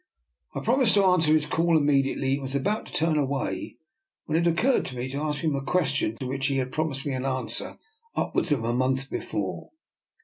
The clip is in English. I promised to answer his call immediately, and was about to turn away, when it oc curred to me to ask him a question to which he had promised me an answer upwards of a month before.